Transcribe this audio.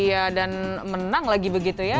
iya dan menang lagi begitu ya